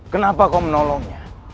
kenapa kau menolongnya